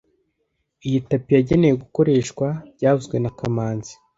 Iyi tapi yagenewe gukoreshwa byavuzwe na kamanzi